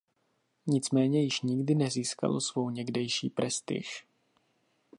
Nicméně již nikdy nezískalo svou někdejší prestiž.